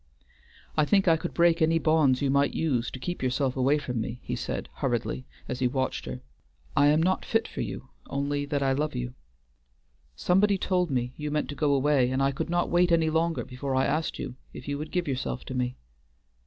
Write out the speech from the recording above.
"I think I could break any bonds you might use to keep yourself away from me," he said hurriedly, as he watched her. "I am not fit for you, only that I love you. Somebody told me you meant to go away, and I could not wait any longer before I asked you if you would give yourself to me."